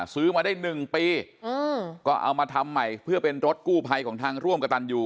ซื้อมาได้๑ปีก็เอามาทำใหม่เพื่อเป็นรถกู้ภัยของทางร่วมกับตันอยู่